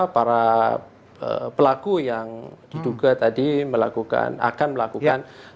para pelaku yang diduga tadi melakukan akan melakukan